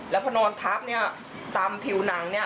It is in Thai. และพอนอนทับนี่ตามผิวหนังนี่